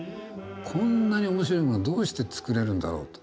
こんなに面白いものをどうして作れるんだろうと。